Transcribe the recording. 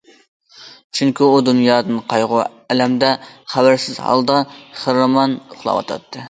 چۈنكى، ئۇ دۇنيادىن، قايغۇ- ئەلەمدىن خەۋەرسىز ھالدا خىرامان ئۇخلاۋاتاتتى.